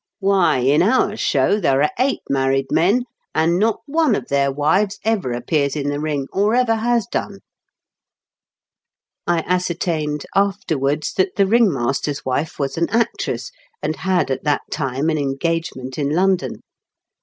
Why, in our show there are eight married men, and not one of their wives ever appears in the ring, or ever has done." A GYMNASTS OBITICiSM. 25& I ascertained afterwards that the ring master's wife was an actress, and had at that time an engagement in London.